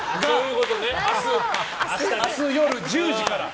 明日夜１０時から。